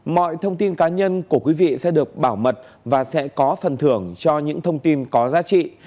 mọi thông tin cá nhân của quý vị sẽ được bảo mật và sẽ có phần thưởng cho những thông tin có giá trị